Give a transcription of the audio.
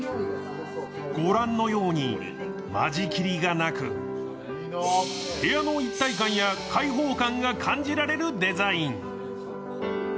御覧のように間仕切りがなく、部屋の一体感や開放感が感じられるデザイン。